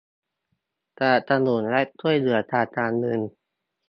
สนับสนุนและช่วยเหลือทางการเงิน